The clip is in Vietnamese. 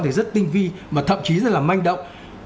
thì rất tinh vi và thậm chí rất là manh động